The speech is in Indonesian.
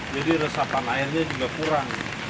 jadi resapan airnya juga kurang